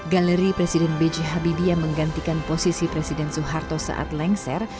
galeri presiden b j habibie yang menggantikan posisi presiden soeharto saat lengser